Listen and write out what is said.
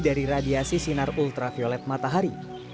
dari radiasi sinar ultraviolet matahari